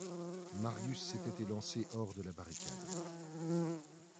Marius s’était élancé hors de la barricade.